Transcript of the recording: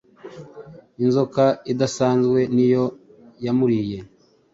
inzoka idasanzwe niyo yamuriye